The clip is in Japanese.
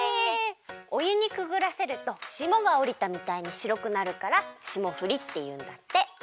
おゆにくぐらせるとしもがおりたみたいにしろくなるからしもふりっていうんだって。